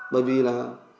bởi vì là